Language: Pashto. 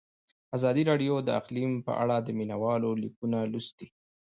ازادي راډیو د اقلیم په اړه د مینه والو لیکونه لوستي.